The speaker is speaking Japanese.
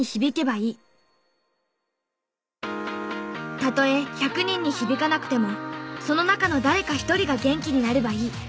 たとえ１００人に響かなくてもその中の誰か１人が元気になればいい。